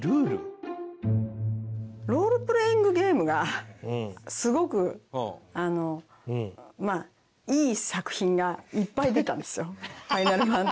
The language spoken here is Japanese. ロールプレイングゲームがすごくあのまあいい作品がいっぱい出たんですよ。